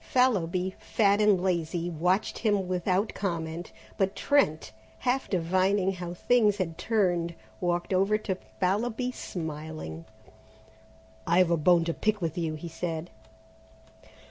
Fallowby, fat and lazy, watched him without comment, but Trent, half divining how things had turned, walked over to Fallowby smiling. "I've a bone to pick with you!" he said.